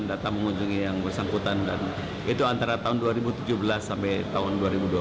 datang mengunjungi yang bersangkutan dan itu antara tahun dua ribu tujuh belas sampai tahun dua ribu dua puluh